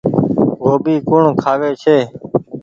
گوڀي ڪوڻ کآوي ڇي۔